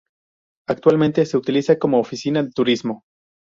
Actualmente se utiliza como Oficina de Turismo.